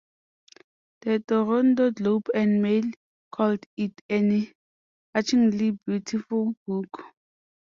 The Toronto Globe and Mail called it an achingly beautiful book.